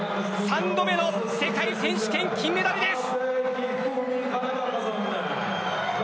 ３度目の世界選手権金メダルです。